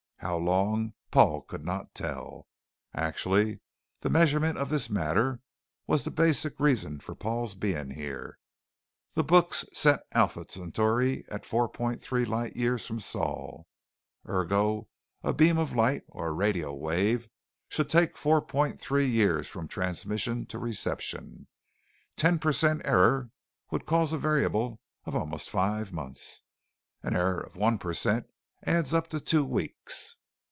How long, Paul could not tell. Actually, the measurement of this matter was the basic reason for Paul's being here. The books set Alpha Centauri at 4.3 light years from Sol. Ergo a beam of light or a radio wave should take 4.3 years from transmission to reception. Ten percent error would cause a variable of almost five months; an error of one percent adds up to two weeks.